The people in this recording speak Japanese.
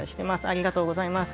ありがとうございます。